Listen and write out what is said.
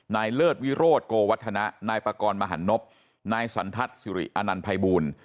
เลิศวิโรธโกวัฒนะนายปากรมหันนบนายสันทัศน์สิริอนันตภัยบูล